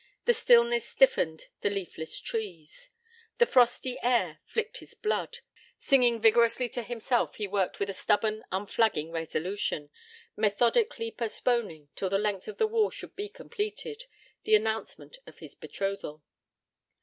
The stillness stiffened the leafless trees. The frosty air flicked his blood: singing vigorously to himself he worked with a stubborn, unflagging resolution, methodically postponing, till the length of the wall should be completed, the announcement of his betrothal.